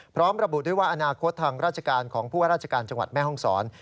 พร้อมระบุด้วยว่าอนาคตทางราชการของผู้ว่าราชการจังหวัดแม่ห้องศร